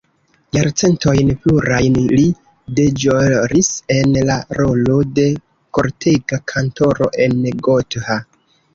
Jarcentojn plurajn li deĵoris en la rolo de kortega kantoro en Gotha.